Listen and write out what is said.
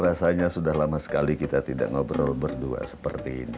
rasanya sudah lama sekali kita tidak ngobrol berdua seperti ini